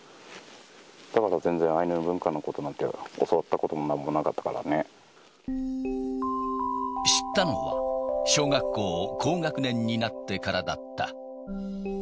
だから全然、アイヌ文化のことなんて教わったこともなんもなかっ知ったのは、小学校高学年になってからだった。